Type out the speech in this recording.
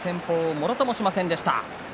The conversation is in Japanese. もろともしませんでした。